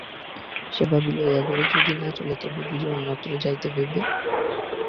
সে ভাবিল এঘরে যদি না চলে তবে বুঝি অন্যত্র যাইতে হইবে।